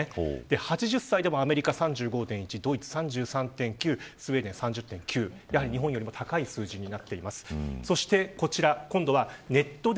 ８０歳でもアメリカ３５．１、ドイツ３３．９スウェーデン３０．９で日本よりも高い数字です。